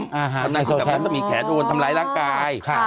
งั้นน้ำตั้งใจการรักษามีแขนโดนทำร้ายร่างกาย